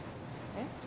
えっ？